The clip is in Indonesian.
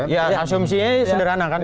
ya asumsinya sederhana kan